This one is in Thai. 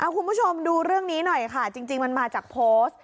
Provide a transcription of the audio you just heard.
คุณผู้ชมดูเรื่องนี้หน่อยค่ะจริงมันมาจากโพสต์